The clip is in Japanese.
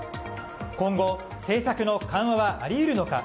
今後、政策の緩和はあり得るのか。